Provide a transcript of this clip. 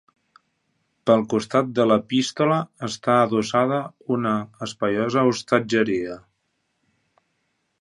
Pel costat de l'epístola està adossada una espaiosa hostatgeria.